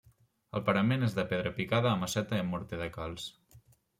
El parament és de pedra picada a maceta amb morter de calç.